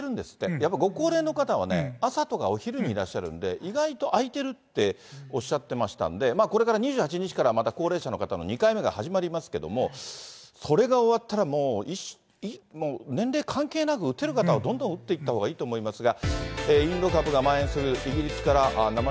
やっぱご高齢の方は、朝とかお昼にいらっしゃるんで、意外と空いてるっておっしゃってましたんで、これから２８日から、また高齢者の方の２回目が始まりますけれども、それが終わったらもう、年齢関係なく、打てる方はどんどん打っていったほうがいいと思いますが。